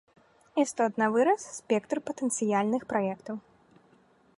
Істотна вырас спектр патэнцыяльных праектаў.